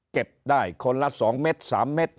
เก็บได้คนละสองเม็ดสามเม็ด